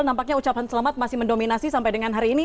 nampaknya ucapan selamat masih mendominasi sampai dengan hari ini